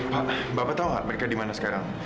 pak bapak tau gak mereka dimana sekarang